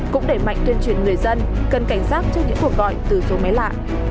cũng đẩy mạnh tuyên truyền người dân cần cảnh giác trước những cuộc gọi từ số máy lạ